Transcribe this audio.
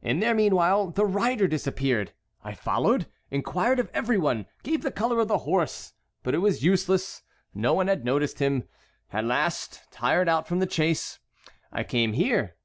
In the meanwhile the rider disappeared; I followed, inquired of every one, gave the color of the horse; but it was useless; no one had noticed him. At last, tired out from the chase, I came here."